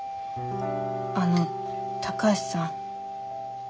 あの高橋さん。